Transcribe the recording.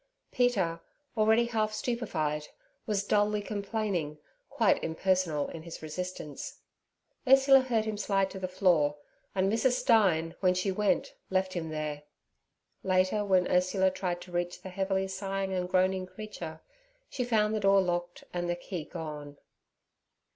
Peter, already half stupefied, was dully complaining, quite impersonal in his resistance. Ursula heard him slide to the floor, and Mrs. Stein, when she went, left him there. Later, when Ursula tried to reach the heavily sighing and groaning creature, she found the door locked and the key gone.